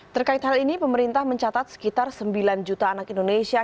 terkait hal ini pemerintah mencatat sekitar sembilan juta anak indonesia